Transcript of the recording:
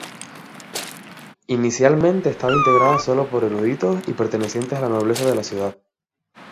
Inicialmente estaba integrada solo por eruditos y pertenecientes a la nobleza de la ciudad.